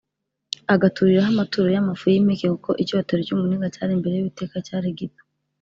agaturiraho amaturo y’amafu y’impeke kuko icyotero cy’umuringa cyari imbere y’Uwiteka cyari gito